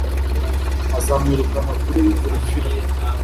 Azamwirukana kuri buri villa